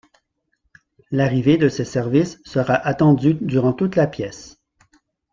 L’arrivée de ces services sera attendue durant toute la pièce.